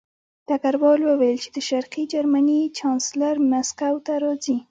ډګروال وویل چې د شرقي جرمني چانسلر مسکو ته راځي